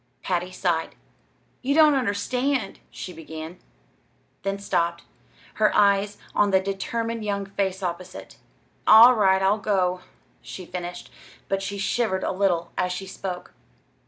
Patty sighed. "Ye don't understand," she began, then stopped, her eyes on the determined young face opposite. "All right, I'll go," she finished, but she shivered a little as she spoke.